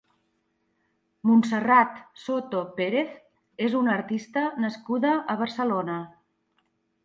Montserrat Soto Pérez és una artista nascuda a Barcelona.